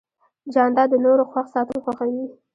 جانداد د نورو خوښ ساتل خوښوي.